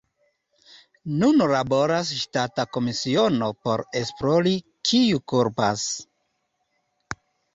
Nun laboras ŝtata komisiono por esplori, kiu kulpas.